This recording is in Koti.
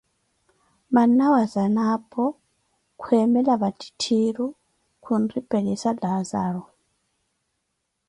manna wa Zanapo, kweemela vattitthiiru, khunripelisa Laazaru.